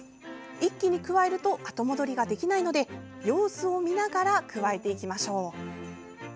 一気に加えると後戻りができないので様子を見ながら加えていきましょう。